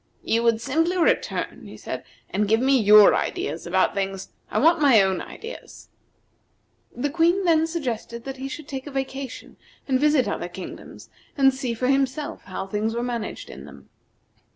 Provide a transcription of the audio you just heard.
"You would simply return," he said, "and give me your ideas about things. I want my own ideas." The Queen then suggested that he should take a vacation, and visit other kingdoms, and see for himself how things were managed in them.